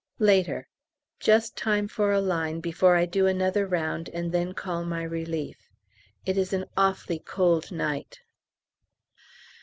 Later. Just time for a line before I do another round and then call my relief. It is an awfully cold night.